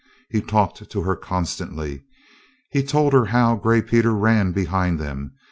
He talked to her constantly. He told her how Gray Peter ran behind them.